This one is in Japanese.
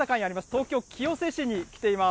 東京・清瀬市に来ています。